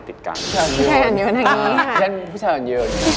ผู้ชายอ่อนเยินแบบนี้ค่ะผู้ชายอ่อนเยิน